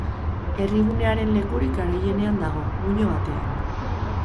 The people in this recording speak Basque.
Herrigunearen lekurik garaienean dago, muino batean.